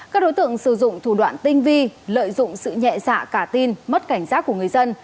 các đối tượng sử dụng thủ đoạn tinh vi lợi dụng sự nhẹ dạ cả tin mất cảnh giác của người dân